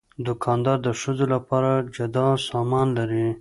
دوکاندار د ښځو لپاره جدا سامان لري.